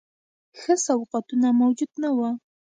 ښه سوغاتونه موجود نه وه.